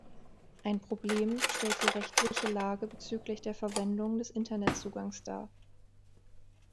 Ein Problem stellt die rechtliche Lage bezüglich der Verwendung des Internetzugangs dar.